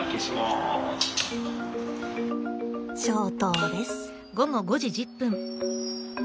消灯です。